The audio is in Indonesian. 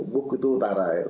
buk itu utara ya